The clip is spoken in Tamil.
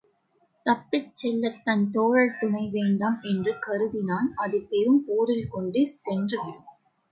தப்பிச் செல்லத் தன் தோழர் துணை வேண்டாம் என்று கருதினான் அதுபெரும் போரில் கொண்டு சென்று விடும்.